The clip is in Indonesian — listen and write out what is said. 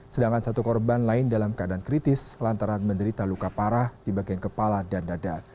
sedangkan satu korban lain dalam keadaan kritis lantaran menderita luka parah di bagian kepala dan dada